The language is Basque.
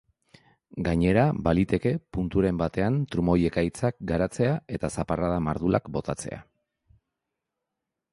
Gainera, baliteke punturen batean trumoi-ekaitzak garatzea eta zaparrada mardulak botatzea.